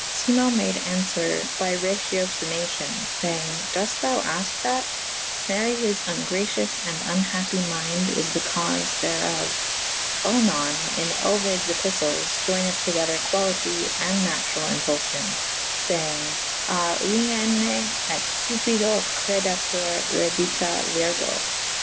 Simo made aunfwere by raciocinacion / iay enge / doite thou afke that : mary his vngracious and vnhappy mynd is the caufe therof. Oenon in Ovides epiltles ioyneth togyther qualytte and naturall impulfyon / fayenge A iuuene et Cupido credatur I'eddita virgo